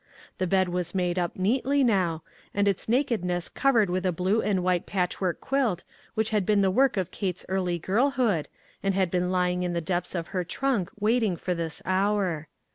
The bed was made up neatly now, and its nakedness covered with a blue and white patchwork quilt, which had been the work of Kate's early girlhood, and had been lying in the depths of her trunk wait ing for this hour.